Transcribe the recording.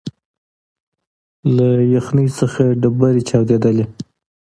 له یخنۍ څخه ډبري چاودېدلې